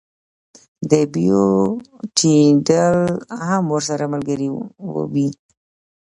د بیو ټیټېدل هم ورسره ملګري وي